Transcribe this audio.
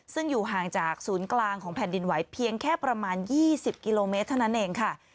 ซึ่งอยู่ห่างจากศูนย์กลางของแผ่นดินไหวเพียงแค่ประมาณ๒๐กิโลเมตรเท่านั้นเองค่ะ